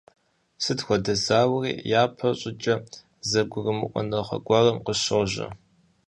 Сыт хуэдэ зауэри япэ щӀыкӀэ зэгурымыӀуэныгъэ гуэрым къыщожьэ.